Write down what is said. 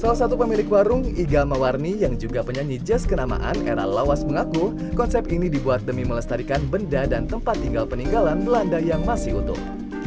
salah satu pemilik warung iga mawarni yang juga penyanyi jazz kenamaan era lawas mengaku konsep ini dibuat demi melestarikan benda dan tempat tinggal peninggalan belanda yang masih utuh